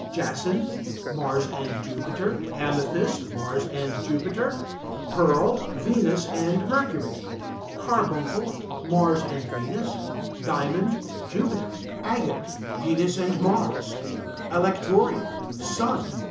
Jacinth Mars and Jupiter. Amethyst Mars and Jupiter. Pearl Venus and Mercury. Carbuncle Mars and Venus. Diamond Jupiter. Agate Venus and Mars. Alectoria Sun.